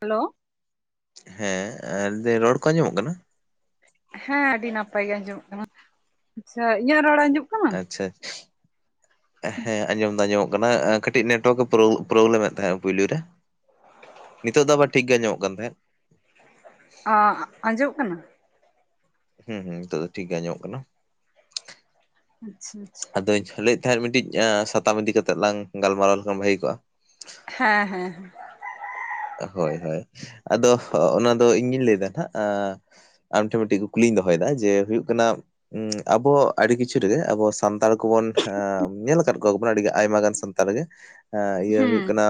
Hello ᱦᱮᱸ ᱟᱨ ᱫᱚ ᱨᱚᱲ ᱠᱚ ᱟᱸᱡᱚᱢᱚᱜ ᱠᱟᱱᱟ? ᱦᱮᱸ ᱟᱹᱰᱤ ᱱᱟᱯᱟᱭ ᱜᱮ ᱟᱸᱡᱚᱢᱚᱜ ᱠᱟᱱᱟ, ᱟᱪᱪᱷᱟ ᱤᱧᱟᱹᱜ ᱨᱚᱲ ᱟᱸᱡᱚᱢ ᱟᱪᱪᱷᱟ ᱦᱮᱸ ᱟᱸᱡᱚᱢ ᱫᱚ ᱟᱸᱡᱚᱢᱚᱜ ᱠᱟᱱᱟ ᱟᱠᱟᱹᱴ ᱴᱤᱡ ᱱᱮᱴᱚᱣᱟᱨᱠ ᱮ ᱯᱨᱳᱞ ᱯᱨᱳᱵᱞᱮᱢᱮᱫ ᱛᱟᱦᱮᱸᱜᱼᱟ ᱯᱩᱭᱞᱩ ᱨᱮ ᱱᱤᱛᱚᱜ ᱫᱚ ᱟᱵᱟᱨ ᱴᱷᱤᱠ ᱜᱮ ᱟᱡᱚᱢᱚᱜ ᱠᱟᱱ ᱛᱟᱦᱮᱸᱫ᱾ ᱟᱼᱟᱸᱡᱚᱢ ᱠᱟᱱᱟ? ᱦᱩᱸ ᱦᱩᱸ ᱱᱤᱛᱚᱜ ᱫᱚ ᱴᱷᱤᱠ ᱜᱮ ᱟᱸᱡᱚᱢᱚᱜ ᱠᱟᱱᱟ᱾ ᱟᱪᱪᱷᱟ ᱟᱪᱪᱷᱟ ᱟᱫᱚᱧ ᱞᱟᱹᱭᱮᱫ ᱛᱟᱦᱮᱸᱫ ᱢᱤᱫᱴᱤᱡ ᱟᱸ ᱥᱟᱛᱟᱢ ᱤᱫᱤ ᱠᱟᱛᱮᱫ ᱞᱟᱝ ᱜᱟᱞᱢᱟᱨᱟᱣ ᱞᱮᱠᱷᱟᱱ ᱵᱷᱟᱹᱜᱤ ᱠᱚᱜᱼᱟ᱾ ᱦᱮᱸ ᱦᱮᱸ ᱦᱮᱸ ᱦᱳᱭ ᱦᱳᱭ ᱟᱫᱚᱦ ᱚᱱᱟ ᱫᱚ ᱤᱧ ᱜᱤᱧ ᱞᱟᱹᱭᱫᱟ ᱱᱟᱼᱦᱟᱜ ᱟᱸ ᱟᱢ ᱴᱷᱮᱱ ᱢᱤᱫᱴᱤᱡ ᱠᱩᱠᱞᱤᱧ ᱫᱚᱦᱚᱭᱮᱫᱟ ᱡᱮ ᱦᱩᱭᱩᱜ ᱠᱟᱱᱟ ᱩᱸ ᱟᱵᱚ ᱟᱹᱰᱤ ᱠᱤᱪᱷᱩ ᱨᱮᱜᱮ ᱟᱵᱚ ᱥᱟᱱᱛᱟᱲ ᱠᱚᱵᱚᱱ ᱧᱮᱞ ᱟᱠᱟᱫ ᱠᱚᱣᱟ ᱵᱚᱱ ᱟᱹᱰᱤ ᱟᱭᱢᱟ ᱜᱟᱱ ᱥᱟᱱᱼᱼ ᱛᱟᱦᱞᱮ ᱜᱮ ᱦᱮᱸ ᱤᱭᱟᱹ ᱦᱩᱸ ᱦᱩᱭᱩᱜ ᱠᱟᱱᱟ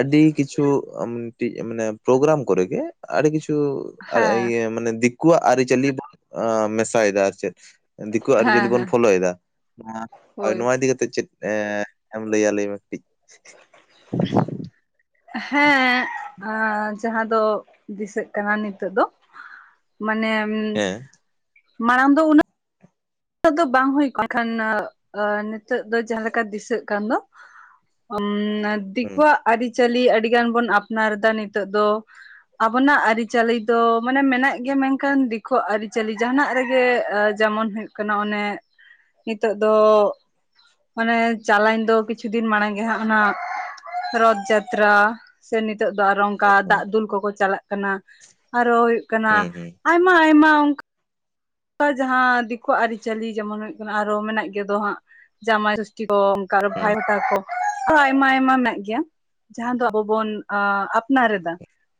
ᱟᱹᱰᱤ ᱠᱤᱪᱷᱩ ᱴᱤᱫ ᱴᱤᱡ ᱢᱟᱱᱮ ᱯᱨᱳᱜᱨᱟᱢ ᱠᱚᱨᱮ ᱜᱮ ᱟᱹᱰᱤ ᱠᱤᱪᱷᱩ ᱟᱡᱟᱜ ᱦᱮᱸ ᱤᱭᱟᱹ ᱢᱟᱱᱮ ᱫᱤᱠᱩᱣᱟᱜ ᱟᱹᱨᱤᱪᱟᱹᱞᱤ ᱵᱚᱱ ᱢᱮᱥᱟᱭᱮᱫᱟ ᱟᱨ ᱪᱮᱫ᱾ ᱫᱤᱠᱩᱣᱟᱜ ᱦᱮᱸ ᱟᱹᱨᱤᱪᱟᱹᱞᱤ ᱵᱚᱱ ᱦᱮᱸ ᱯᱷᱳᱚᱞᱳᱭᱮᱫᱟ ᱦᱳᱭ ᱦᱮᱸ ᱟᱫᱚ ᱤᱫᱤ ᱠᱟᱛᱮᱫ ᱪᱮᱫ? ᱮᱸ ᱮᱢ ᱞᱟᱹᱭᱟ ᱞᱟᱹᱭᱢᱮ ᱠᱟᱹᱴᱤᱡ ᱦᱮᱸ ᱡᱟᱦᱟᱸ ᱫᱚ ᱫᱤᱥᱟᱹᱜ ᱠᱟᱱᱟ ᱱᱤᱛᱚᱜ ᱫᱚ ᱢᱟᱱᱮ ᱦᱮᱸ [inaudible] ᱢᱟᱲᱟᱝ ᱫᱚ ᱩᱱᱟᱹᱜ ᱱᱤᱛᱚᱜ ᱫᱚ ᱵᱟᱝ ᱦᱩᱭ ᱠᱟᱱᱟ ᱠᱷᱟᱱ ᱱᱤᱛᱚᱜ ᱫᱚ ᱡᱟᱦᱟᱸ ᱞᱮᱠᱟ ᱫᱤᱥᱟᱹᱜ ᱠᱟᱱ ᱫᱚ ᱾ ᱩ ᱦᱩᱸ ᱫᱤᱠᱩᱣᱟᱜ ᱟᱹᱨᱤᱪᱟᱹᱞᱤ ᱟᱹᱰᱤᱜᱟᱱ ᱵᱚᱱ ᱟᱯᱱᱟᱨᱮᱫᱟ ᱱᱤᱛᱚᱜ ᱫᱚ ᱾ ᱟᱵᱚᱱᱟᱜ ᱟᱹᱨᱤᱪᱟᱹᱞᱤ ᱫᱚ ᱢᱟᱱᱮ ᱢᱮᱱᱟᱜ ᱜᱮᱭᱟ ᱢᱮᱱᱠᱷᱟᱱ ᱫᱤᱠᱩᱟᱜ ᱟᱹᱨᱤᱪᱟᱹᱞᱤ ᱡᱟᱦᱟᱱᱟᱜ ᱨᱮᱜᱮ ᱡᱮᱢᱚᱱ ᱦᱩᱭᱩᱜ ᱠᱟᱱᱟ ᱚᱱᱮ [inaudible] ᱱᱤᱛᱳᱜ ᱫᱚ ᱢᱟᱱᱮ ᱪᱟᱞᱟᱣᱧ ᱫᱚ ᱠᱤᱪᱷᱩ ᱫᱤᱱ ᱢᱟᱲᱟᱝ ᱜᱮ ᱦᱟᱸᱜ ᱚᱱᱟ ᱨᱚᱛᱷ ᱡᱟᱛᱨᱟ ᱥᱮ ᱱᱤᱛᱚᱜ ᱫᱚ ᱟᱨᱚ ᱚᱱᱠᱟ ᱦᱩᱸ ᱫᱟᱜ ᱫᱩᱞ ᱠᱚᱠᱚ ᱪᱟᱞᱟᱜ ᱠᱟᱱᱟ ᱟᱨᱚ ᱦᱩᱭᱩᱜ ᱠᱟᱱᱟ ᱦᱩᱸ ᱦᱩᱸ ᱟᱭᱢᱟ ᱟᱭᱢᱟ ᱚᱝ ᱠᱟ ᱡᱟᱦᱟᱸ ᱫᱤᱠᱩᱣᱟᱜ ᱟᱹᱨᱤᱪᱟᱹᱞᱤ ᱡᱮᱢᱚᱱ ᱦᱩᱭᱩᱜ ᱠᱟᱱᱟ ᱟᱨᱦᱚ ᱢᱮᱱᱟᱜ ᱜᱮ ᱫᱚ ᱦᱟᱸᱜ ᱡᱟᱢᱟᱭ ᱥᱚᱥ ᱠᱚ ᱚᱱᱠᱟ ᱦᱩᱸ ᱵᱷᱟᱭ ᱛᱟᱠᱟ ᱠᱚ ᱟᱨᱚ ᱟᱭᱢᱟ ᱟᱭᱢᱟ ᱢᱮᱱᱟᱜ ᱜᱮᱭᱟ ᱾ ᱡᱟᱦᱟᱸ ᱫᱚ ᱟᱵᱚ ᱵᱩᱱ ᱟᱯᱱᱟᱨ ᱮᱫᱟ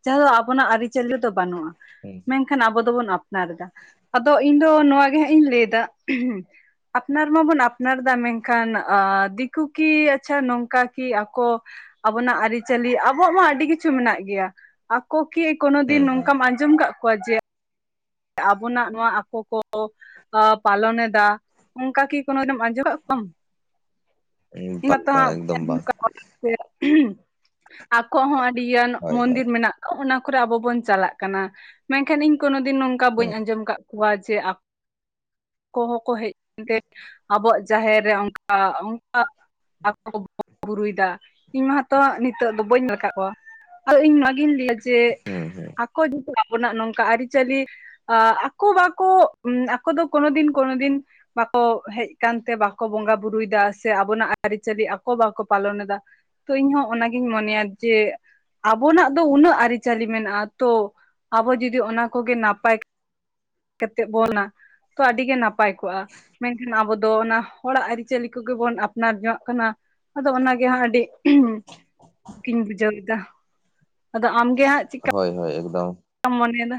ᱡᱟᱦᱟᱸ ᱫᱚ ᱟᱵᱚᱱᱟᱜ ᱟᱹᱨᱤᱪᱟᱹᱞᱤ ᱫᱚ ᱵᱟᱹᱱᱩᱜ-ᱟ ᱦᱩᱸ ᱾ ᱢᱮᱱᱠᱷᱟᱱ ᱟᱵᱚ ᱫᱚᱵᱚᱱ ᱟᱯᱱᱟᱨ ᱮᱫᱟ ᱟᱫᱚ ᱤᱧ ᱫᱚ ᱱᱚᱣᱟᱣᱟ ᱜᱮ ᱦᱟᱸᱜ ᱤᱧ ᱞᱟᱹᱭᱮᱫᱟ ᱟᱯᱱᱟᱨ ᱢᱟᱵᱚᱱ ᱟᱯᱱᱟᱨ ᱮᱫᱟ ᱢᱮᱱᱠᱷᱟᱱ ᱫᱤᱠᱩ ᱠᱤ ᱟᱪᱪᱷᱟ ᱱᱚᱝᱠᱟ ᱠᱤ ᱟᱠᱚ ᱟᱵᱚᱱᱟᱜ ᱟᱹᱨᱤᱪᱟᱹᱞᱤ ᱟᱵᱚᱣᱟᱜ ᱢᱟ ᱟᱹᱰᱤ ᱠᱤᱪᱷᱩ ᱢᱮᱱᱟᱜ ᱜᱮᱭᱟ ᱾ ᱟᱠᱚ ᱠᱤ ᱠᱳᱱᱚ ᱫᱤᱱ ᱦᱩᱸ ᱦᱩᱸ ᱱᱚᱝᱠᱟᱢ ᱟᱸᱡᱚᱢ ᱟᱠᱟᱫ ᱠᱚᱣᱟ ᱡᱮ ᱟᱵᱚᱱᱟᱜ ᱱᱚᱣᱟ ᱟᱠᱚ ᱠᱚ ᱟ ᱯᱟᱞᱚᱱ ᱮᱫᱟ ᱚᱱᱠᱟ ᱠᱤ ᱠᱳᱱᱳ ᱫᱤᱱᱮᱢ ᱟᱸᱡᱚᱢᱮᱫ ᱠᱚᱣᱟᱢ ᱾ [unintelligible] ᱮᱠᱫᱚᱢ ᱟᱸᱡᱚᱢ ᱵᱟᱝ ᱾ ᱠᱟᱜ ᱠᱚᱣᱟ ᱥᱮ ᱟᱠᱚ ᱦᱚᱸ ᱟᱹᱰᱤᱜᱟᱱ ᱦᱳᱭ ᱦᱳᱭ ᱢᱚᱱᱫᱤᱨ ᱢᱮᱱᱟᱜ ᱚᱱᱟ ᱠᱚᱨᱮ ᱟᱵᱚ ᱵᱚᱱ ᱪᱟᱞᱟᱜ ᱠᱟᱱᱟ ᱢᱮᱱᱠᱷᱟᱱ ᱤᱧ ᱠᱳᱱᱳ ᱫᱤᱱ ᱱᱚᱝᱠᱟ ᱦᱩᱸ ᱵᱟᱹᱧ ᱟᱸᱡᱚᱢ ᱟᱠᱟᱫ ᱠᱚᱣᱟ ᱡᱮ ᱠᱚ ᱠᱚᱦᱚᱸ ᱠᱚ ᱦᱮᱡ ᱮᱱᱛᱮ ᱟᱵᱚᱣᱟᱜ ᱡᱟᱦᱮᱨ ᱨᱮ ᱚᱱᱠᱟ ᱚᱱᱠᱟ ᱟᱠᱚ ᱠᱚ ᱵᱚᱸᱜᱟ ᱵᱩᱨᱩᱭᱮᱫᱟ ᱤᱧ ᱢᱟᱛᱚ ᱱᱤᱛᱚᱜ ᱫᱚ ᱵᱟᱹᱧ ᱧᱮᱞ ᱟᱠᱟᱫ ᱠᱚᱣᱟ ᱾ ᱟᱫᱚ ᱤᱧ ᱚᱱᱟᱜᱤᱧ ᱞᱟᱹᱭᱟ ᱡᱮ ᱦᱩᱸ ᱦᱩᱸ ᱟᱠᱚ ᱡᱩᱫᱤ ᱟᱵᱚᱱᱟᱜ ᱱᱚᱝᱠᱟ ᱟᱹᱨᱤᱪᱟᱹᱞᱤ ᱟᱠᱚ ᱵᱟᱠᱚ ᱟᱠᱚ ᱫᱚ ᱠᱳᱱᱳ ᱫᱤᱱ ᱠᱳᱱᱳ ᱫᱤᱱ ᱵᱟᱠᱚ ᱦᱮᱡ ᱟᱠᱟᱱ ᱛᱮ ᱵᱟᱠᱚ ᱵᱚᱸᱜᱟ ᱵᱩᱨᱩᱭᱮᱫᱟ ᱥᱮ ᱟᱵᱚᱱᱟᱜ ᱟᱹᱨᱤᱪᱟᱹᱞᱤ ᱟᱠᱚ ᱵᱟᱠᱚ ᱯᱟᱞᱚᱱ ᱮᱫᱟ ᱾ ᱛᱚ ᱤᱧᱦᱚᱸ ᱚᱱᱟᱜᱤᱧ ᱢᱚᱱᱮᱭᱟ ᱡᱮ ᱟᱵᱚᱱᱟᱜ ᱫᱚ ᱩᱱᱟᱹᱜ ᱟᱹᱨᱤᱪᱟᱹᱞᱤ ᱢᱮᱱᱟᱜ-ᱟ ᱛᱚ ᱟᱵᱚ ᱡᱩᱫᱤ ᱚᱱᱟ ᱠᱚᱜᱮ ᱱᱟᱯᱟᱭ ᱠᱟᱛᱮᱫ ᱵᱚᱱ ᱛᱚ ᱟᱹᱰᱤᱜᱮ ᱱᱟᱯᱟᱭ ᱠᱚᱜ-ᱟ ᱢᱮᱱᱠᱷᱟᱱ ᱟᱵᱚ ᱫᱚ ᱚᱱᱟ ᱦᱚᱲᱟᱜ ᱟᱹᱨᱤᱪᱟᱹᱞᱤ ᱠᱚᱜᱮ ᱵᱚᱱ ᱟᱯᱱᱟᱨ ᱡᱚᱝ-ᱟᱜ ᱠᱟᱱᱟ ᱟᱫᱚ ᱚᱱᱟ ᱜᱮ ᱦᱟᱸᱜ ᱟᱹᱰᱤ ᱤᱧ ᱵᱩᱡᱷᱟᱹᱣ ᱮᱫᱟ ᱾ [inaudible] ᱟᱫᱚ ᱟᱢᱜᱮ ᱦᱟᱸᱜ ᱪᱤᱜᱠᱟ ᱦᱳᱭ ᱦᱳᱭ ᱮᱠᱫᱚᱢ ᱾ ᱠᱟᱢ ᱢᱚᱱᱮᱭ ᱮᱫᱟ?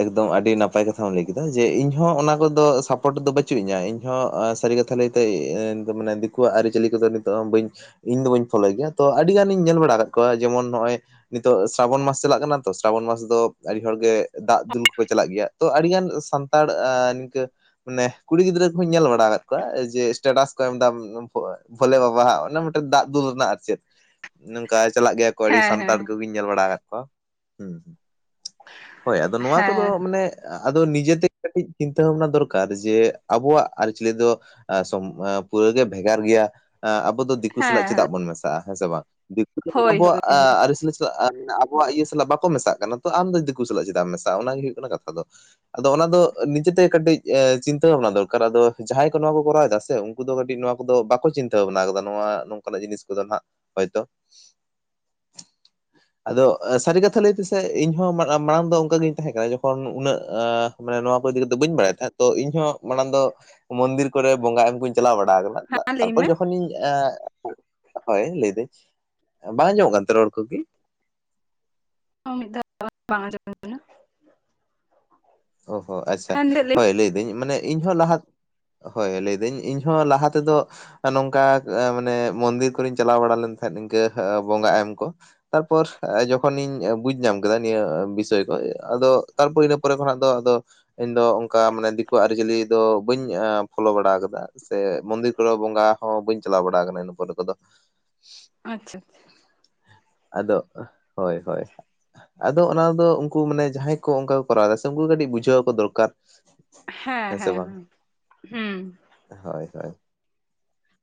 ᱮᱠᱫᱚᱢ ᱟᱹᱰᱤ ᱱᱟᱯᱟᱭ ᱠᱟᱛᱷᱟᱢ ᱞᱟᱹᱭ ᱠᱮᱫᱟ ᱡᱮ ᱤᱧᱦᱚᱸ ᱚᱱᱟ ᱠᱚᱫᱚ ᱥᱟᱯᱳᱴ ᱫᱚ ᱵᱟᱹᱪᱩᱜ ᱤᱧᱟ ᱤᱧ ᱦᱚᱸ ᱚᱸ ᱥᱟᱹᱨᱤ ᱠᱟ ᱛᱷᱟ ᱞᱟᱹᱭᱛᱮ ᱮᱸ ᱱᱤᱛᱚᱜ ᱢᱟᱱᱮ ᱫᱤᱠᱩᱭᱟᱜ ᱟᱹᱨᱤᱪᱟᱹᱞᱤ ᱠᱚᱫᱚ ᱱᱤᱛᱚᱜ ᱦᱚᱸ ᱵᱟᱹᱧ ᱤᱧ ᱫᱚ ᱵᱟᱹᱧ ᱯᱷᱳᱞᱳᱭ ᱜᱮᱭᱟ ᱛᱚ ᱟᱹᱰᱤ ᱜᱟᱱᱤᱧ ᱧᱮᱞ ᱵᱟᱲᱟ ᱟᱠᱟᱫ ᱠᱚᱣᱟ ᱡᱮᱢᱚᱱ ᱱᱚᱜ-ᱚᱭ ᱱᱤᱛᱚᱜ ᱥᱨᱟᱵᱚᱱ ᱢᱟᱥ ᱪᱟᱞᱟᱜ ᱠᱟᱱᱟ ᱛᱚ ᱥᱨᱟᱵᱚᱱ ᱢᱟᱥ ᱫᱚ ᱟᱹᱰᱤ ᱦᱚᱲᱜᱮ ᱫᱟᱜ ᱫᱩᱞ ᱠᱚᱠᱚ ᱪᱟᱞᱟᱜ ᱜᱮᱭᱟ ᱛᱚ ᱟᱹᱰᱤ ᱜᱟᱱ ᱥᱟᱱᱛᱟᱲ ᱮᱸ ᱱᱤᱝᱠᱟᱹ ᱢᱟᱱᱮ ᱠᱩᱲᱤ ᱜᱤᱫᱽᱨᱟᱹ ᱠᱩᱧ ᱧᱮᱞ ᱵᱟ [unintelligible] ᱠᱚᱣᱟ ᱡᱮ ᱥᱴᱮᱴᱟᱥ ᱠᱚ ᱮᱢᱮᱫᱟ ᱵᱷᱚ ᱵᱷᱳᱞᱮ ᱵᱟᱵᱟ ᱦᱟᱜ ᱚᱱᱮ ᱢᱤᱫᱴᱮᱱ ᱫᱟᱜ ᱫᱩᱞ ᱨᱮᱱᱟᱜ ᱟᱨ ᱪᱮᱫ ᱱᱚᱝᱠᱟ ᱪᱟᱞᱟᱜ ᱜᱮᱭᱟ ᱾ [unintelligible] ᱦᱮᱸ ᱥᱟᱱᱛᱟᱲ ᱦᱮᱸ ᱠᱚᱜᱤᱧ ᱧᱮᱞ ᱵᱟᱲᱟ ᱟᱠᱟᱫ ᱠᱚᱣᱟ ᱦᱩᱸ ᱾ ᱦᱳᱭ ᱟᱫᱚ ᱱᱚᱣᱟ ᱦᱮᱸ ᱠᱚᱫᱚ ᱢᱟᱱᱮ ᱟ ᱟᱫᱚ ᱱᱤᱡᱮᱛᱮ ᱠᱟᱹᱴᱤᱡ ᱪᱤᱱᱛᱟᱹ ᱵᱷᱟᱵᱽᱱᱟ ᱫᱚᱨᱠᱟᱨ ᱡᱮ ᱟᱵᱚᱣᱟᱜ ᱟᱹᱨᱤᱪᱟᱹᱞᱤ ᱫᱚ ᱟ ᱥᱟᱢ ᱟᱸ ᱯᱩᱨᱟᱹ ᱜᱮ ᱵᱷᱮᱜᱟᱨ ᱜᱮᱭᱟ ᱮᱸ ᱟᱵᱚ ᱫᱚ ᱫᱤ ᱫᱤᱠᱩ ᱥᱟᱞᱟᱜ ᱦᱮᱸ ᱦᱮᱸ ᱪᱮᱫᱟᱜ ᱵᱚᱱ ᱢᱮᱥᱟᱜᱼᱟ ᱦᱮᱸ ᱥᱮ ᱵᱟᱝ? ᱫᱤᱠᱩ ᱡᱮᱫᱤᱱ ᱦᱳᱭ ᱟᱵᱚᱣᱟᱜ ᱦᱳᱭ ᱟ ᱟᱹᱨᱤᱪᱟᱹᱞᱤ ᱛᱚ ᱟᱢ ᱟᱵᱚᱣᱟᱜ ᱤᱭᱟᱹ ᱥᱟᱞᱟᱜ ᱵᱟᱠᱚ ᱢᱮᱥᱟᱜ ᱠᱟᱱᱟ ᱾ ᱛᱚ ᱟᱢ ᱫᱚ ᱫᱤᱠᱩ ᱥᱟᱞᱟᱜ ᱪᱮᱫᱟᱜ ᱮᱢ ᱢᱮᱥᱟᱜᱼᱟ? ᱚᱱᱟᱜᱮ ᱦᱩᱭᱩᱜ ᱠᱟᱱᱟ ᱠᱟᱛᱷᱟ ᱫᱚ ᱾ ᱟᱫᱚ ᱚᱱᱟ ᱫᱚ ᱱᱤᱡᱮᱛᱮ ᱠᱟᱹᱴᱤᱡ ᱮᱸ ᱪᱤᱱᱛᱟᱹ ᱵᱷᱟᱵᱽᱱᱟ ᱫᱚᱨᱠᱟᱨ ᱟᱫᱚ ᱡᱟᱦᱟᱸᱭ ᱠᱚ ᱱᱚᱣᱟ ᱠᱚ ᱠᱚᱨᱟᱣᱮᱫᱟ ᱥᱮ ᱩᱱᱠᱩ ᱫᱚ ᱠᱟᱹᱴᱤᱡ ᱱᱚᱣᱟ ᱠᱚᱫᱚ ᱵᱟᱠᱚ ᱪᱤᱱᱛᱟᱹ ᱵᱷᱟᱵᱱᱟ ᱠᱟᱫᱟ ᱱᱚᱣᱟ ᱱᱚᱝᱠᱟᱱᱟᱜ ᱡᱤᱱᱤᱥ ᱠᱚᱫᱚ ᱦᱟᱸᱜ ᱦᱚᱭᱛᱚ ᱾ ᱟᱫᱚ ᱥᱟᱹᱨᱤ ᱠᱟᱛᱷᱟ ᱞᱟᱹᱭ ᱯᱮᱥᱮ ᱤᱧ ᱦᱚᱸ ᱢᱟᱜ ᱢᱟᱲᱟᱝ ᱫᱚ ᱚᱱᱠᱟ ᱜᱤᱧ ᱛᱟᱦᱮᱸ ᱠᱟᱱᱟ ᱡᱚᱠᱷᱚᱱ ᱩᱱᱟᱹᱜ ᱟ ᱢᱟᱱᱮ ᱱᱚᱣᱟ ᱠᱚ ᱤᱫᱤ ᱠᱟᱛᱮᱜ ᱵᱟᱹᱧ ᱵᱟᱲᱟᱭ ᱛᱟᱦᱮᱸᱫ ᱛᱚ ᱤᱧᱦᱚᱸ ᱢᱟᱲᱟᱝ ᱫᱚ ᱢᱩᱱᱫᱤᱨ ᱠᱚᱨᱮ ᱵᱚᱸᱜᱟ ᱮᱢ ᱠᱩᱧ ᱪᱟᱞᱟᱣ ᱵᱟᱲᱟ ᱠᱟᱱᱟ ᱛᱟᱜ ᱦᱮᱸ ᱞᱟᱹᱭ ᱛᱟᱨᱯᱚᱨ ᱢᱮ ᱡᱚᱠᱷᱚᱱᱤᱧ ᱮᱸ ᱦᱳᱭ ᱞᱟᱹᱭᱫᱟᱹᱧ ᱵᱟᱝ ᱟᱸᱡᱚᱢᱚᱜ ᱠᱟᱱ ᱛᱮ ᱨᱚᱲ ᱠᱚᱜᱤ ᱾ ᱢᱤᱫ ᱫᱷᱟᱣ [unintelligible] ᱵᱟᱝ ᱟᱸᱡᱚᱢ [unintelligible] ᱚ ᱦᱚᱸ ᱟᱪᱪᱷᱟ ᱦᱮᱸ ᱱᱤᱛᱚᱜ ᱞᱟᱹᱭ ᱢᱮ ᱦᱳᱭ ᱞᱟᱹᱭᱫᱟᱹᱧ ᱢᱟᱱᱮ ᱤᱧ ᱦᱚᱸ ᱞᱟᱦᱟ ᱦᱳᱭ ᱞᱟᱹᱭᱫᱟᱹᱧ ᱤᱧᱦᱚᱸ ᱞᱟᱦᱟ ᱛᱮᱫᱚ ᱱᱚᱝᱠᱟ ᱮᱸ ᱢᱟᱱᱮ ᱢᱚᱱᱫᱤᱨ ᱠᱚᱨᱤᱧ ᱪᱟᱞᱟᱣ ᱵᱟᱲᱟ ᱞᱮᱱ ᱛᱟᱦᱮᱸᱫ ᱤᱱᱠᱟᱹ ᱮᱸ ᱵᱚᱸᱜᱟ ᱮᱢ ᱠᱚ ᱾ ᱛᱟᱨᱯᱚᱨ ᱡᱚᱠᱷᱚᱱᱤᱧ ᱵᱩᱡ ᱧᱟᱢ ᱠᱮᱫᱟ ᱱᱤᱭᱟᱹ ᱵᱤᱥᱚᱭ ᱠᱚ ᱟᱫᱚ ᱛᱟᱨᱯᱚᱨ ᱤᱱᱟᱹ ᱯᱚᱨᱮ ᱠᱷᱚᱱᱟᱜ ᱫᱚ ᱟᱫᱚ ᱤᱧ ᱫᱚ ᱚᱱᱠᱟ ᱢᱟᱱᱮ ᱫᱤᱠᱩ ᱟᱜ ᱟᱹᱨᱤᱪᱟᱹᱞᱤ ᱫᱚ ᱵᱟᱹᱧ ᱮᱸ ᱯᱷᱚᱞᱳ ᱵᱟᱲᱟ ᱟᱠᱟᱫᱟ ᱾ ᱥᱮ ᱢᱚᱱᱫᱤᱨ ᱠᱚᱨᱮ ᱵᱚᱸᱜᱟ ᱦᱚᱸ ᱵᱟᱹᱧ ᱪᱟᱞᱟᱣ ᱵᱟᱲᱟ ᱟᱠᱟᱱᱟ ᱤᱱᱟᱹ ᱯᱚᱨᱮ ᱠᱚᱫᱚ ᱾ ᱟᱪᱪᱷᱟ ᱟᱪᱪᱷᱟ ᱾ ᱟᱫᱚᱜ ᱦᱳᱭ ᱦᱳᱭ ᱾ ᱟᱫᱚ ᱚᱱᱟ ᱫᱚ ᱩᱱᱠᱩ ᱢᱟᱱᱮ ᱡᱟᱦᱟᱸᱭ ᱠᱚ ᱚᱱᱠᱟ ᱠᱚ ᱠᱚᱨᱟᱣ ᱫᱟ ᱥᱮ ᱩᱱᱠᱩ ᱠᱚ ᱠᱟᱹᱴᱤᱡ ᱵᱩᱡᱷᱟᱹᱣ ᱟᱠᱚ ᱫᱚᱨᱠᱟᱨ ᱾ ᱦᱮᱸ ᱦᱮᱸ ᱦᱮᱸ ᱦᱩᱸ ᱾ ᱦᱳᱭ ᱦᱳᱭ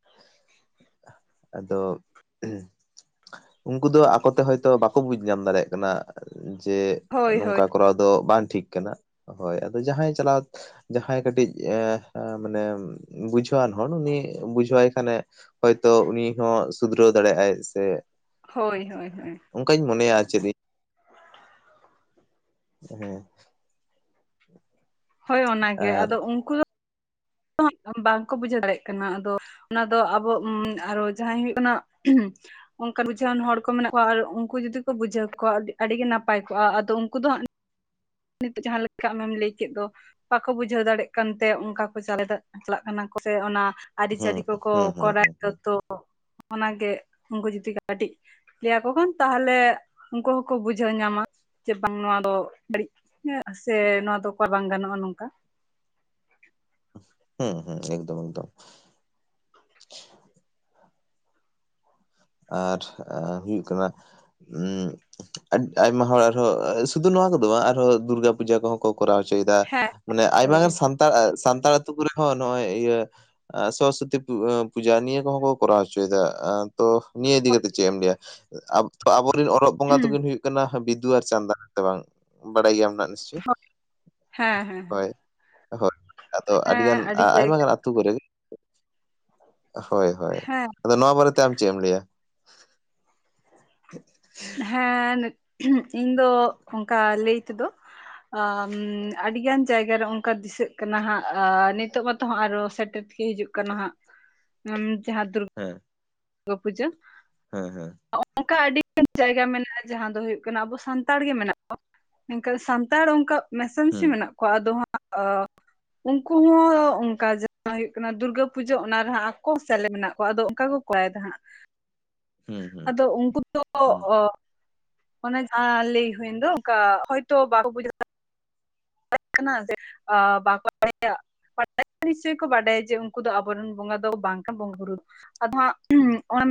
᱾ ᱟᱫᱚ- ᱩᱱᱠᱩ ᱫᱚ ᱟᱠᱚᱛᱮ ᱦᱚᱭᱛᱚ ᱵᱟᱠᱚ ᱵᱩᱡ ᱧᱟᱢ ᱫᱟᱲᱮᱭᱟᱜ ᱠᱟᱱᱟ ᱾ ᱡᱮ ᱦᱳᱭ ᱦᱳᱭ ᱱᱚᱝᱠᱟ ᱠᱚᱨᱟᱣ ᱫᱚ ᱵᱟᱝ ᱴᱷᱤᱠ ᱠᱟᱱᱟ ᱾ ᱦᱳᱭ ᱾ ᱟᱫᱚ ᱡᱟᱦᱟᱸᱭ ᱪᱟᱞᱟᱣ ᱡᱟᱦᱟᱸᱭ ᱠᱟᱹᱴᱤᱡ ᱮᱸ ᱢᱟᱱᱮ ᱵᱩᱡᱷᱟᱹᱣᱟᱱ ᱦᱚᱲ ᱩᱱᱤ ᱵᱩᱡᱷᱟᱹᱣ ᱟᱭ ᱠᱷᱟᱱᱮ ᱦᱚᱭᱛᱚ ᱩᱱᱤ ᱦᱚᱸ ᱥᱩᱫᱷᱨᱟᱹᱣ ᱫᱟᱲᱮᱭᱟᱜᱼᱟᱭ ᱾ ᱥᱮ ᱦᱳᱭ ᱦᱳᱭ ᱦᱳᱭ᱾ ᱚᱱᱠᱟᱧ ᱢᱚᱱᱮᱭᱟ ᱟᱨ ᱪᱮᱫ ᱤᱧ ᱾ ᱦᱮᱸ ᱾ ᱦᱳᱭ ᱚᱱᱟᱜᱮ ᱟᱨ ᱟᱫᱚ ᱩᱱᱠᱩ ᱫᱚ ᱦᱟᱸᱜ ᱵᱟᱝᱠᱚ ᱵᱩᱡᱷᱟᱹᱣ ᱫᱟᱲᱮᱭᱟᱜ ᱠᱟᱱᱟ ᱾ ᱟᱫᱚ ᱚᱱᱟ ᱫᱚ ᱟᱵᱚ ᱟᱨᱚ ᱡᱟᱦᱟᱸᱭ ᱦᱩᱭᱩᱜ ᱠᱟᱱᱟ ᱚᱱᱠᱟᱱ ᱵᱩᱡᱷᱟᱹᱣᱟᱱ ᱦᱚᱲ ᱠᱚ ᱢᱮᱱᱟᱜ ᱠᱚᱣᱟ ᱟᱨ ᱩᱱᱠᱩ ᱡᱩᱫᱤ ᱠᱚ ᱵᱩᱡᱷᱟᱹᱣ ᱠᱮᱠᱚᱣᱟ ᱟᱹᱰᱤ ᱟᱹᱰᱤ ᱜᱮ ᱱᱟᱯᱟᱭ ᱠᱚᱜᱼᱟ ᱾ ᱟᱫᱚ ᱩᱱᱠᱩ ᱫᱚ ᱦᱟᱸᱜ ᱱᱤᱛᱚᱜ ᱡᱟᱦᱟᱸ ᱞᱮᱠᱟ ᱟᱢᱮᱢ ᱞᱟᱹᱭ ᱠᱮᱫ ᱫᱚ᱾ ᱵᱟᱠᱚ ᱵᱩᱡᱷᱟᱹᱣ ᱫᱟᱲᱮᱜ ᱠᱟᱱ ᱛᱮ ᱚᱱᱠᱟ ᱠᱚ ᱪᱟᱞᱛᱟᱜ ᱪᱟᱞᱟᱜ ᱠᱟᱱᱟ ᱠᱚ ᱥᱮ ᱚᱱᱟ ᱦᱩᱸ ᱟᱹᱨᱤᱪᱟᱹᱞᱤ ᱠᱚᱠᱚ ᱦᱩᱸ ᱦᱩᱸ ᱠᱚᱨᱟᱣᱮᱫ ᱦᱩᱸ ᱫᱚ ᱦᱩᱸ ᱛᱚ ᱚᱱᱟᱜᱮ ᱩᱱᱠᱩ ᱡᱩᱫᱤ ᱠᱟᱹᱴᱤᱡ ᱞᱟᱹᱭᱟ ᱠᱚ ᱠᱷᱟᱱ ᱛᱟᱦᱚᱞᱮ ᱩᱱᱠᱩ ᱦᱚᱸᱠᱚ ᱵᱩᱡᱷᱟᱹᱣ ᱧᱟᱢᱟ ᱡᱮ ᱵᱟᱝ ᱱᱚᱣᱟ ᱫᱚ ᱵᱟᱲᱤᱡ ᱦᱮᱸ ᱥᱮ ᱱᱚᱣᱟ ᱫᱚ ᱚᱠᱟ ᱵᱟᱝ ᱜᱟᱱᱚᱜᱼᱟ ᱱᱚᱝᱠᱟ᱾ ᱦᱮᱸ ᱦᱮᱸ ᱮᱠᱫᱚᱢ ᱮᱠᱫᱚᱢ᱾ ᱟᱨ ᱦᱩᱭᱩᱜ ᱠᱟᱱᱟ ᱮᱸ ᱟᱭᱢᱟ ᱦᱚᱲ ᱟᱨᱦᱚᱸ ᱥᱩᱫᱷᱩ ᱱᱚᱣᱟ ᱠᱚᱫᱚ ᱵᱟᱝ ᱟᱨᱦᱚᱸ ᱫᱩᱨᱜᱟ ᱯᱩᱡᱟᱹ ᱠᱚᱦᱚᱸ ᱠᱚ ᱠᱚᱨᱟᱣ ᱦᱚᱪᱚᱭᱮᱫᱟ ᱦᱮᱸ ᱢᱟᱱᱮ ᱟᱭᱢᱟ ᱦᱳᱭ ᱜᱟᱱ ᱥᱟᱱᱛᱟᱲ ᱥᱟᱱᱛᱟᱲ ᱟᱹᱛᱩ ᱠᱚᱨᱮ ᱦᱚᱸ ᱱᱚᱜᱼᱚᱭ ᱤᱭᱟᱹ ᱥᱚᱨᱚᱥᱚᱛᱤ ᱯᱩᱡᱟᱹ ᱱᱤᱭᱟᱹ ᱠᱚ ᱦᱚᱸ ᱠᱚ ᱠᱚᱨᱟᱣ ᱦᱚᱪᱚᱭᱮᱫᱟ᱾ ᱛᱚ ᱱᱤᱭᱟᱹ ᱤᱫᱤ ᱠᱟᱛᱮᱜ ᱪᱮᱫ ᱮᱢ ᱞᱟᱹᱭᱟ? ᱟᱵᱚ ᱨᱮᱱ ᱚᱞᱚᱜ ᱵᱚᱸᱜᱟ ᱦᱮᱸ ᱫᱚᱠᱤᱱ ᱦᱩᱭᱩᱜ ᱦᱩᱭᱩᱜ ᱠᱟᱱᱟ ᱵᱤᱫᱩ ᱟᱨ ᱪᱟᱸᱫᱟᱱ ᱦᱮᱸ ᱵᱟᱝ ᱵᱟᱲᱟᱭ ᱜᱮᱭᱟᱢ ᱦᱟᱸᱜ ᱱᱤᱥᱪᱚᱭ? ᱦᱮᱸ ᱦᱳᱭ᱾ ᱦᱳᱭ ᱟᱫᱚ ᱦᱮᱸ ᱟᱹᱰᱤᱜᱟᱱ ᱟᱹᱰᱤ ᱟᱭᱢᱟ ᱡᱟᱭᱜᱟ ᱜᱟᱱ ᱟᱹᱛᱩ ᱠᱚᱨᱮ ᱜᱮ ᱦᱳᱭ ᱦᱳᱭ ᱦᱮᱸ ᱾ ᱟᱫᱚ ᱱᱚᱣᱟ ᱵᱟᱨᱮᱛᱮ ᱟᱢ ᱪᱮᱫ ᱮᱢ ᱞᱟᱹᱭᱟ? [unintelligible] ᱦᱮᱸ ᱱᱤᱛ ᱤᱧ ᱫᱚ ᱚᱝᱠᱟ ᱞᱟᱹᱭ ᱛᱮᱫᱚ ᱟᱼᱢ ᱟᱹᱰᱤᱜᱟᱱ ᱡᱟᱭᱜᱟ ᱨᱮ ᱚᱝᱠᱟ ᱫᱤᱥᱟᱹᱜ ᱠᱟᱱᱟ ᱦᱟᱸᱜ ᱟ ᱱᱤᱛᱚᱜ ᱢᱟᱛᱚ ᱦᱟᱸᱜ ᱟᱨᱚ ᱥᱮᱴᱮᱨ [inaudible] ᱦᱤᱡᱩᱜ ᱠᱟᱱᱟ ᱦᱟᱸᱜ [inaudible] ᱡᱟᱦᱟᱸ ᱫᱩᱨ ᱦᱮᱸ᱾ ᱜᱟᱹ ᱯᱩᱡᱟᱹ᱾ ᱦᱮᱸ ᱦᱮᱸ᱾ ᱚᱝᱠᱟ ᱟᱹᱰᱤᱜᱟᱱ ᱡᱟᱭᱜᱟ ᱢᱮᱱᱟᱜᱼᱟ ᱡᱟᱦᱟᱸ ᱫᱚ ᱦᱩᱭᱩᱜ ᱠᱟᱱᱟ ᱟᱵᱚ ᱥᱟᱱᱛᱟᱲ ᱜᱮ ᱢᱮᱱᱟᱜ ᱠᱚ ᱢᱮᱱᱠᱷᱟᱱ ᱥᱟᱱᱛᱟᱲ ᱚᱝᱠᱟ ᱢᱮᱥᱟ ᱢᱤᱥᱤ ᱦᱩᱸ ᱢᱮᱱᱟᱜ ᱠᱚᱣᱟ ᱟᱫᱚ ᱦᱟᱸᱜ ᱚ ᱩᱝᱠᱩ ᱦᱚᱸ ᱚᱝᱠᱟ ᱡᱟᱦᱟᱸ ᱦᱩᱭᱩᱜ ᱠᱟᱱᱟ ᱫᱩᱨᱜᱟᱹ ᱯᱩᱡᱟᱹ ᱚᱱᱟ ᱨᱮᱦᱟᱸᱜ ᱟᱠᱚ ᱥᱮᱞᱮ ᱢᱮᱱᱟᱜ ᱠᱚᱣᱟ ᱟᱫᱚ ᱚᱝᱠᱟ ᱠᱚ [unintelligible] ᱦᱟᱸᱜ, ᱦᱩᱸ ᱟᱫᱚ ᱩᱜᱠᱩ ᱫᱚ ᱦᱩᱸ ᱚ ᱚᱱᱮ ᱡᱟᱦᱟᱸ ᱞᱟᱹᱭ ᱦᱩᱭᱮᱱ ᱫᱚ ᱚᱝᱠᱟ ᱦᱚᱭᱛᱚ ᱵᱟᱠᱚ ᱵᱩᱡᱷᱟᱣ ᱠᱟᱱᱟ [unintelligible] [inaudible] ᱱᱤᱥᱪᱳᱭ ᱠᱚ ᱵᱟᱰᱟᱭᱟ ᱡᱮ ᱩᱝᱠᱩ ᱫᱚ ᱟᱵᱚᱨᱮᱱ ᱵᱚᱸᱜᱟ ᱫᱚ ᱵᱟᱝ [unintelligible] ᱵᱚᱸᱜᱟᱼᱵᱩᱨᱩ᱾ ᱟᱫᱚ ᱦᱟᱸᱜ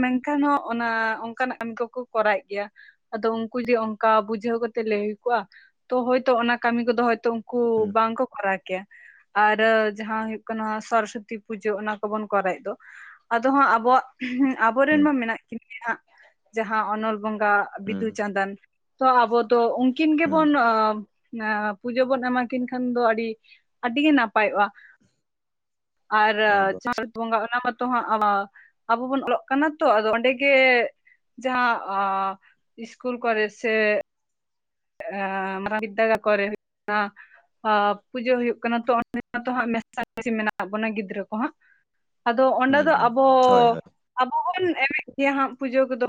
[inaudible] ᱢᱮᱱᱠᱷᱟᱱ ᱦᱚᱸ ᱚᱱᱟ ᱚᱝᱠᱟᱱᱟᱜ ᱠᱟᱹᱢᱤ ᱠᱚᱠᱚ ᱠᱚᱨᱟᱣᱮᱜ ᱜᱮᱭᱟ᱾ ᱟᱫᱚ ᱩᱝᱠᱩ ᱡᱮ ᱚᱝᱠᱟ ᱵᱩᱡᱷᱟᱹᱣ ᱠᱟᱛᱮᱜ ᱞᱟᱹᱭ ᱦᱩᱭ ᱠᱚᱜᱼᱟ ᱛᱚ ᱦᱚᱭᱛᱚ ᱚᱱᱟ ᱠᱟᱹᱢᱤ ᱠᱚᱫᱚ ᱦᱚᱭ ᱛᱚ ᱩᱝᱠᱩ ᱦᱩᱸ ᱦᱩᱸ ᱵᱟᱝᱠᱚ ᱠᱚᱨᱟᱣ ᱠᱮᱭᱟ᱾ ᱟᱨᱮ ᱡᱟᱦᱟᱸ ᱦᱩᱭᱩᱜ ᱠᱟᱱᱟ ᱥᱚᱨᱚᱥᱚᱛᱤ ᱯᱩᱡᱟᱹ ᱚᱱᱟ ᱠᱚᱵᱚᱱ ᱠᱚᱨᱟᱣᱮᱜ ᱫᱚ ᱟᱫᱚ ᱦᱟᱸᱜ ᱟᱵᱚᱣᱟᱜ [inaudible] ᱟᱵᱚᱨᱮᱱ ᱦᱩᱸ ᱢᱟ ᱢᱮᱱᱟᱜ ᱠᱤᱱᱟ ᱜᱮ ᱦᱟᱸᱜ, ᱡᱟᱦᱟᱸ ᱚᱱᱚᱞ ᱵᱚᱸᱜᱟ ᱵᱤᱫᱩ ᱦᱩᱸ ᱪᱟᱸᱫᱟᱱ᱾ ᱛᱚ ᱟᱵᱚ ᱫᱚ ᱩᱝᱠᱤᱱ ᱦᱩᱸ ᱦᱩᱸ ᱜᱮᱵᱚᱱ ᱚᱸ ᱮᱸ ᱯᱩᱡᱟᱹ ᱵᱚᱱ ᱮᱢᱟᱠᱤᱱ ᱠᱷᱟᱱ ᱫᱚ ᱟᱹᱰᱤ, ᱟᱹᱰᱤ ᱜᱮ ᱱᱟᱯᱟᱭᱚᱜᱼᱟ᱾ ᱟᱨ ᱮᱠᱫᱚᱢ [unintelligible] ᱵᱚᱸᱜᱟ ᱚᱱᱟ ᱢᱟᱛᱚ ᱦᱟᱸᱜ ᱟᱸ ᱟᱵᱚ ᱵᱚᱱ ᱚᱞᱚᱜ ᱠᱟᱱᱟ ᱛᱚ ᱟᱫᱚ ᱚᱸᱰᱮ ᱜᱮ ᱡᱟᱦᱟᱸ ᱟ ᱤᱥᱠᱩᱞ ᱠᱚᱨᱮ ᱥᱮ ᱮᱸ ᱢᱟᱨᱟᱝ [unintelligible] ᱟᱸ ᱯᱩᱡᱟᱹ ᱦᱩᱭᱩᱜ ᱠᱟᱱᱟ [unintelligible] ᱢᱮᱱᱟᱜ ᱵᱚᱱᱟ ᱜᱤᱫᱽᱨᱟᱹ ᱠᱚ ᱦᱟᱸᱜ᱾ ᱟᱫᱚ ᱚᱸᱰᱮ ᱦᱩᱸ ᱫᱚ ᱦᱩᱸ ᱟᱵᱚ, ᱦᱳᱭ ᱦᱳᱭ ᱟᱵᱚ ᱵᱚᱱ ᱵᱚᱱ ᱮᱢᱮᱜ ᱜᱮᱭᱟ ᱦᱟᱸᱜ ᱯᱩᱡᱟᱹ ᱠᱚᱫᱚ᱾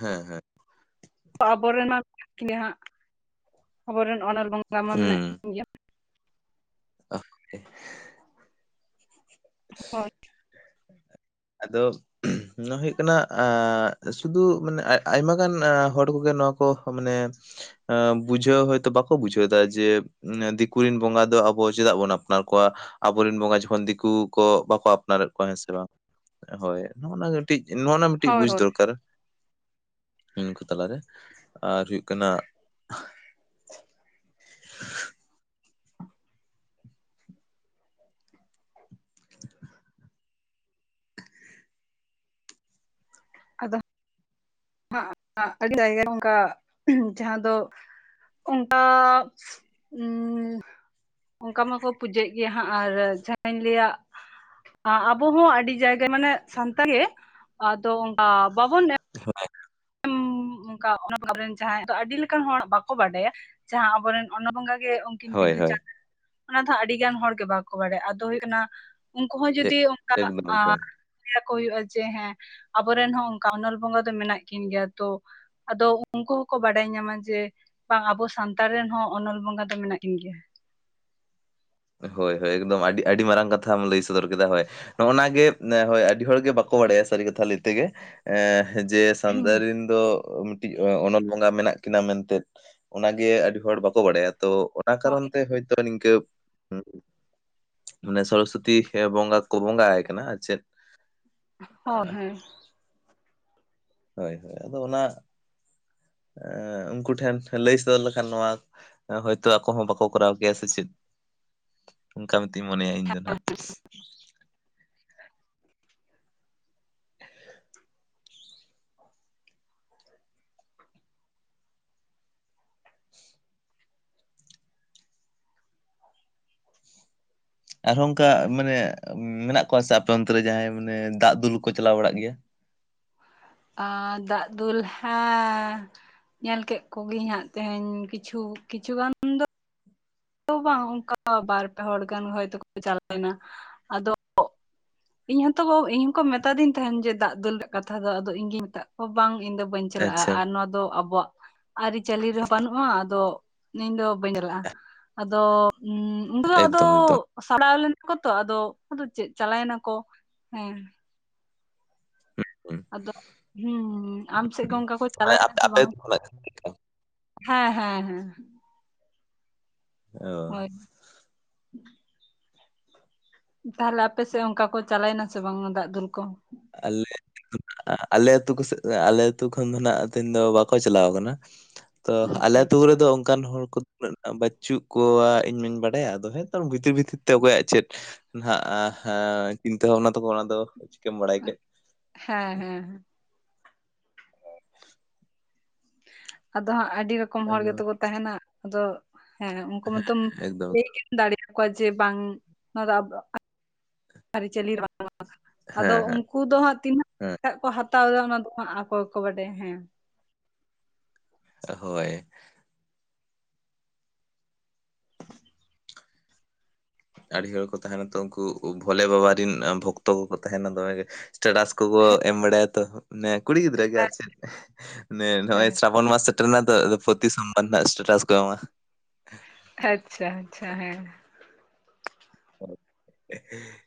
ᱦᱮᱸ ᱦᱮᱸ᱾ ᱟᱵᱚᱨᱮᱱ ᱢᱟ [unintelligible] ᱠᱤᱱᱟᱹ ᱦᱟᱸᱜ, ᱟᱵᱚᱨᱮᱱ ᱚᱱᱚᱞ ᱵᱚᱸᱜᱟ ᱢᱟ ᱢᱮᱱᱟᱜ ᱦᱩᱸ ᱠᱤᱱ ᱜᱮᱭᱟ᱾ [inaudible] [inaudible] ᱟᱫᱚ [inaudible] ᱱᱚᱣᱟ ᱦᱩᱭᱩᱜ ᱠᱟᱱᱟ ᱟᱸ ᱥᱩᱫᱷᱩ ᱢᱟᱱᱮ ᱟᱭ-ᱟᱭᱢᱟ ᱜᱟᱱ ᱦᱚᱲ ᱠᱚᱜᱮ ᱱᱚᱣᱟ ᱠᱚ ᱢᱟᱱᱮ ᱮᱸ ᱵᱩᱡᱷᱟᱹᱣ ᱦᱚᱭᱛᱚ ᱵᱟᱠᱚ ᱵᱩᱡᱷᱟᱹᱣᱫᱟ ᱡᱮ [inaudible] ᱫᱤᱠᱩᱨᱮᱱ ᱵᱚᱸᱜᱟ ᱫᱚ ᱟᱵᱚ ᱪᱮᱫᱟᱜ ᱵᱚᱱ ᱟᱯᱱᱟᱨ ᱠᱚᱣᱟ ᱟᱵᱚᱨᱮᱱ ᱵᱚᱸᱜᱟ ᱡᱚᱠᱷᱚᱱ ᱫᱤᱠᱩ ᱠᱚ ᱵᱟᱠᱚ ᱟᱯᱱᱟᱨᱮᱫ ᱠᱚᱣᱟ ᱦᱮᱸᱥᱮ ᱵᱟᱝ ᱦᱳᱭ ᱚᱱᱮ ᱚᱱᱟ ᱜᱮ ᱴᱤᱡ ᱱᱚᱜᱼᱚᱱᱟ ᱢᱤᱴᱤᱡ ᱦᱳᱭ ᱵᱩᱡᱽ ᱦᱳᱭ ᱫᱚᱨᱠᱟᱨ᱾ ᱩᱝᱠᱩ ᱛᱟᱞᱟᱨᱮ ᱟᱨ ᱦᱩᱭᱩᱜ ᱠᱟᱱᱟ [inaudible] [inaudible] ᱟᱫᱚ [unintelligible] ᱚᱝᱠᱟ ᱡᱟᱦᱟᱸ ᱫᱚ ᱚᱝᱠᱟ ᱩᱸ ᱚᱝᱠᱟ ᱢᱟᱠᱚ ᱯᱩᱡᱟᱹᱭᱮᱜ ᱜᱮᱭᱟ ᱦᱟᱸᱜ ᱟᱨ ᱡᱟᱦᱟᱸᱧ ᱞᱟᱹᱭᱟ ᱟᱸ ᱟᱵᱚ ᱦᱚᱸ ᱟᱹᱰᱤ ᱡᱟᱭ ᱠᱮ ᱢᱟᱱᱮ ᱥᱟᱱᱛᱟ ᱜᱮ ᱟᱫᱚ ᱚᱝᱠᱟ ᱵᱟᱵᱚᱱ ᱮᱸ [inaudible] ᱩ ᱚᱝᱠᱟ [inaudible] ᱟᱵᱚᱨᱮᱱ ᱡᱟᱦᱟᱸᱭ ᱫᱚ ᱟᱹᱰᱤ ᱞᱮᱠᱟᱱ ᱦᱚᱲ ᱵᱟᱠᱚ ᱵᱟᱰᱟᱭᱟ ᱡᱟᱦᱟᱸ ᱟᱵᱚᱨᱮᱱ ᱚᱱᱚ ᱵᱚᱸᱜᱟ ᱜᱮ ᱩᱱᱠᱤᱱ ᱦᱳᱭ ᱵᱤᱸᱫᱩ ᱦᱳᱭ ᱪᱟᱱᱫᱟᱱ ᱚᱱᱟ ᱫᱚ ᱦᱟᱜ ᱟᱹᱰᱤ ᱜᱟᱱ ᱦᱚᱲ ᱜᱮ ᱵᱟᱠᱚ ᱵᱟᱰᱟᱭᱟ ᱟᱫᱚ ᱦᱩᱭᱩᱜ ᱠᱟᱱᱟ ᱾ ᱩᱱᱠᱩ ᱦᱚᱸ ᱮ ᱡᱩᱫᱤ ᱚᱝᱠᱟ ᱮᱠᱫᱚᱢ ᱟ ᱮᱠᱫᱚᱢ ᱞᱮᱭᱟ ᱠᱚ ᱦᱩᱭᱩᱜᱼᱟ ᱡᱮ ᱦᱮᱸ ᱟᱵᱚᱨᱮᱱ ᱦᱚᱸ ᱚᱝᱠᱟ ᱚᱱᱚᱞ ᱵᱚᱸᱜᱟ ᱫᱚ ᱢᱮᱱᱟᱜ ᱠᱤᱱ ᱜᱮᱭᱟ ᱛᱚ ᱾ ᱟᱫᱚ ᱩᱱᱠᱩ ᱦᱚᱸᱠᱚ ᱵᱟᱰᱟᱭ ᱧᱟᱢᱟ ᱡᱮ ᱵᱟᱝ ᱟᱵᱚ ᱥᱟᱱᱛᱟᱲ ᱨᱮᱱ ᱦᱚᱸ ᱚᱱᱚᱞ ᱵᱚᱸᱜᱟ ᱫᱚ ᱢᱮᱱᱟᱜ ᱠᱤᱱ ᱜᱮᱭᱟ ᱾ ᱦᱳᱭ ᱦᱳᱭ ᱮᱠᱫᱚᱢ ᱟᱹᱰᱤ ᱟᱹᱰᱤ ᱢᱟᱨᱟᱝ ᱠᱟᱛᱷᱟᱢ ᱞᱟᱹᱭ ᱥᱚᱫᱚᱨ ᱠᱮᱫᱟ ᱦᱳᱭ ᱾ ᱱᱚᱜ-ᱱᱟᱣᱟ ᱜᱮ ᱦᱳᱭ ᱟᱹᱰᱤ ᱦᱚᱲ ᱜᱮ ᱵᱟᱠᱚ ᱵᱟᱲᱟᱭᱟ ᱥᱟᱹᱨᱤ ᱠᱟᱛᱷᱟ ᱞᱟᱭ ᱛᱮᱜᱮ ᱮ ᱾ ᱡᱮ ᱥᱟᱱᱛᱟᱨᱤᱱ ᱫᱚ ᱢᱤᱫᱴᱤᱡ ᱚᱱᱚᱞ ᱵᱚᱸᱜᱟ ᱢᱮᱱᱟᱜ ᱠᱤᱱᱟᱹ ᱢᱮᱱᱛᱮ ᱚᱱᱟᱜᱮ ᱟᱹᱰᱤ ᱦᱚᱲ ᱵᱟᱠᱚ ᱵᱟᱲᱟᱭᱟ ᱛᱚ ᱾ ᱚᱱᱟ ᱠᱟᱨᱚᱱ ᱦᱳᱭ ᱛᱮ ᱦᱳᱭᱛᱳ ᱱᱤᱝᱠᱟᱹ ᱢᱟᱱᱮ ᱥᱚᱨᱚᱥᱚᱛᱤ ᱠᱷᱮ ᱵᱚᱸᱜᱟ ᱠᱚ ᱵᱚᱸᱜᱟ ᱟᱭ ᱠᱟᱱᱟ ᱟᱨ ᱪᱮᱜ ᱾ ᱦᱚ ᱦᱮᱸ ᱦᱳᱭ ᱦᱳᱭ ᱟᱫᱚ ᱚᱱᱟ ᱮ ᱩᱱᱠᱩ ᱴᱷᱮᱱ ᱞᱟᱹᱭ ᱥᱚᱫᱚᱨ ᱞᱮᱠᱷᱟᱱ ᱱᱚᱣᱟ ᱦᱳᱭᱛᱳ ᱟᱠᱚ ᱦᱚᱸ ᱵᱟᱠᱚ ᱠᱚᱨᱟᱣ ᱠᱮᱭᱟ ᱥᱮ ᱪᱮᱜ ᱾ ᱩᱝᱠᱟ ᱢᱮᱛᱤᱧ ᱢᱚᱱᱮᱭᱟ ᱤᱧ ᱫᱚ ᱱᱟᱦᱟᱜ ᱟᱨᱦᱚᱸ ᱚᱱᱠᱟ ᱢᱟᱱᱮ ᱢᱮᱱᱟᱜ ᱠᱚᱣᱟ ᱥᱮ ᱟᱯᱮ ᱚᱱᱛᱮ ᱨᱮ ᱡᱟᱦᱟᱸᱭ ᱢᱟᱱᱮ ᱫᱟᱜ ᱫᱩᱞ ᱠᱚ ᱪᱟᱞᱟᱣ ᱵᱟᱲᱟᱜ ᱜᱮᱭᱟ ᱾ ᱟ ᱫᱟᱜ ᱫᱩᱞ ᱦᱮᱸ ᱧᱮᱞ ᱠᱮᱜ ᱠᱚᱜᱤᱧ ᱦᱟᱸᱜ ᱛᱮᱦᱮᱱ ᱠᱤᱪᱷᱩ ᱠᱤᱪᱷᱩ ᱜᱟᱱ ᱾ ᱵᱟᱝ ᱩᱝᱠᱟ ᱵᱟᱨ ᱯᱮ ᱦᱚᱲ ᱜᱟᱱ ᱦᱚᱭᱛᱚ ᱠᱚ ᱪᱟᱞᱟᱣ ᱞᱮᱱᱟ ᱟᱫᱚ ᱤᱧ ᱦᱚᱸᱛᱚ ᱵᱚ ᱤᱧ ᱦᱚᱸᱠᱚ ᱢᱮᱛᱟᱫᱤᱧ ᱛᱟᱦᱮᱱ ᱡᱮ ᱫᱟᱜ ᱫᱩᱞ ᱨᱮᱭᱟᱜ ᱠᱟᱛᱷᱟ ᱫᱚ ᱟᱫᱚ ᱤᱧ ᱜᱤᱧ ᱢᱮᱛᱟᱜ ᱠᱚᱣᱟ ᱵᱟᱝ ᱤᱧ ᱫᱚ ᱾ ᱵᱟᱹᱧ ᱪᱟᱞᱟᱜᱼᱟ ᱟᱪᱪᱷᱟ ᱟᱨ ᱱᱚᱣᱟ ᱫᱚ ᱟᱵᱚᱣᱟᱜ ᱟᱹᱨᱤᱪᱟᱹᱞᱤ ᱨᱮᱦᱚᱸ ᱵᱟᱹᱱᱩᱜᱼᱟ ᱟᱫᱚ ᱤᱧ ᱫᱚ ᱵᱟᱹᱧ ᱪᱟᱞᱟᱜᱼᱟ ᱟᱫᱚ [inaudible] ᱩᱱ ᱫᱚ ᱟᱫᱚ ᱮᱠᱫᱚᱢ ᱮᱠᱫᱚᱢ ᱥᱟᱲᱟᱣ ᱞᱮᱱᱟ ᱠᱚ ᱛᱚ ᱟᱫᱚ ᱟᱫᱚ ᱪᱮᱜ ᱪᱟᱞᱟᱭ ᱱᱟᱠᱚ ᱦᱮᱸ ᱾ [inaudible] ᱟᱫᱚ ᱦᱩᱸ ᱟᱢ ᱥᱮᱜ ᱦᱩᱸ ᱜᱚᱝᱜᱟ ᱠᱚ ᱢᱟᱱᱮ ᱪᱟᱞᱟᱭ ᱱᱟ ᱟᱯᱮ ᱥᱮ ᱟᱯᱮ ᱵᱟᱝ? ᱟᱹᱛᱩ ᱠᱷᱚᱱᱟᱜ ᱪᱮᱫᱞᱮᱠᱟ? ᱦᱮᱸ ᱦᱮᱸ ᱦᱮᱸ ᱦᱮᱸ ᱾ ᱚ ᱦᱳᱭ [inaudible] ᱛᱟᱦᱟᱞᱮ ᱟᱯᱮᱥᱮᱜ ᱚᱝᱠᱟ ᱠᱚ ᱪᱟᱞᱟᱭ ᱱᱟᱥᱮ ᱵᱟᱝ ᱫᱟᱜ ᱫᱩᱞ ᱠᱚ? ᱟᱞᱮ [inaudible] ᱟᱞᱮ ᱟᱹᱛᱩ ᱠᱚᱥᱮᱜ ᱟᱞᱮ ᱟᱹᱛᱩ ᱠᱷᱚᱱ ᱫᱚ ᱱᱟᱦ ᱛᱮᱦᱮᱱ ᱫᱚ ᱵᱟᱠᱚ ᱪᱟᱞᱟᱣ ᱠᱟᱱᱟ ᱾ ᱛᱚ ᱟᱞᱮ ᱟᱪᱪᱷᱟ ᱟᱹᱛᱩ ᱠᱚᱨᱮ ᱫᱚ ᱚᱱᱠᱟᱱ ᱦᱚᱲ ᱠᱚ ᱾ [inaudible] ᱵᱟᱹᱪᱩᱜ ᱠᱚᱣᱟ ᱤᱧ ᱢᱟᱧ ᱵᱟᱰᱟᱭᱟ ᱟᱫᱚ ᱦᱮᱸ ᱛᱚ ᱵᱷᱤᱛᱤᱨ ᱵᱷᱤᱛᱤᱨ ᱛᱮ ᱚᱠᱚᱭᱟᱜ ᱪᱮᱫ ᱾ ᱱᱟᱦᱟᱜ [inaudible] ᱠᱤᱱᱛᱟᱹ ᱵᱷᱟᱵᱱᱟ ᱛᱚᱠᱚ ᱚᱱᱟ ᱫᱚ ᱪᱤᱠᱟᱹᱢ ᱵᱟᱲᱟᱭ ᱠᱮᱜ ᱾ ᱦᱮᱸ ᱦᱮᱸ ᱦᱮᱸ. ᱾ [inaudible] ᱟᱫᱚ ᱦᱟᱸᱜ ᱟᱹᱰᱤ ᱨᱚᱠᱚᱢ ᱦᱚᱲ ᱟᱫᱚ ᱜᱮᱛᱚ ᱠᱚ ᱛᱟᱦᱮᱱᱟ ᱟᱫᱚ ᱦᱮᱸ ᱩᱱᱠᱩ ᱢᱟᱛᱚᱢ ᱮᱠᱫᱚᱢ ᱞᱮᱭ ᱜᱮᱢ ᱫᱟᱲᱮᱭ ᱟᱠᱚᱣᱟ ᱡᱮ ᱵᱟᱝ ᱱᱚᱣᱟ ᱡᱮ ᱵᱟᱝ ᱱᱚᱣᱟ ᱟᱵᱚ ᱟᱹᱨᱤᱪᱟᱹᱞᱤ [inaudible] ᱟᱫᱚ ᱦᱮᱸ ᱦᱮᱸ ᱩᱝ ᱾ ᱠᱩ ᱫᱚ ᱦᱟᱸᱜ ᱛᱤᱱᱟᱹᱜ ᱦᱮᱸ [inaudible] ᱜᱟᱜ ᱠᱚ ᱦᱟᱛᱟᱣ ᱫᱟ ᱚᱱᱟ ᱫᱚ ᱦᱟᱸᱜ ᱟᱠᱚᱜᱮᱠᱚ ᱵᱟᱰᱟᱭᱟ ᱦᱮᱸ ᱾ ᱦᱳᱭ ᱾ ᱟᱹᱰᱤ ᱦᱚᱲ ᱠᱚ ᱛᱟᱦᱮᱱᱟ ᱛᱚ ᱩᱱᱠᱩ ᱵᱷᱳᱞᱮ ᱵᱟᱵᱟ ᱨᱮᱱ ᱵᱷᱚᱠᱛᱚ ᱠᱚᱠᱚ ᱛᱟᱦᱮᱱᱟ ᱫᱚᱢᱮ ᱜᱮ ᱾ ᱥᱴᱮᱴᱟᱥ ᱠᱚᱠᱚ ᱮᱢ ᱵᱟᱲᱟᱭᱟ ᱛᱚ ᱱᱮ ᱠᱩᱲᱤ ᱜᱤᱫᱽᱨᱟᱹ ᱜᱮ ᱪᱮᱜ [unintelligible] ᱱᱮ ᱱᱚᱜᱼᱚᱭ ᱥᱨᱟ ᱵᱚᱱ ᱢᱟᱥ ᱥᱮᱴᱮᱨ ᱱᱟᱛᱚ ᱯᱚᱛᱤ ᱥᱚᱢᱵᱟᱨ ᱱᱟᱜ ᱮᱥᱴᱮᱴᱟᱥ ᱠᱚ ᱮᱢᱟ ᱾ ᱟᱪᱪᱷᱟ ᱟᱪᱪᱷᱟ ᱦᱮᱸ ᱾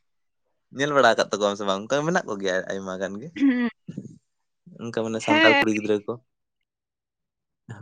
[inaudible] ᱧᱮᱞ ᱵᱟᱲᱟ ᱠᱟᱜ ᱛᱟᱠᱚᱣᱟ ᱥᱮ ᱵᱟᱝ ᱚᱱᱠᱟ ᱢᱮᱱᱟᱜ ᱠᱚᱜᱮᱭᱟ ᱟᱭᱢᱟ ᱜᱟᱱ ᱜᱮ ᱾ [inaudible] ᱩᱝᱠᱟ ᱢᱟᱱᱮ ᱥᱟᱱᱛᱟᱲ ᱦᱮᱸ ᱠᱩᱲᱤ ᱜᱤᱫᱽᱨᱟᱹ ᱠᱚ ᱾